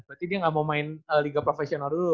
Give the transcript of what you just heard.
berarti dia ga mau main liga profesional dulu